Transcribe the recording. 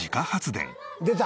出た！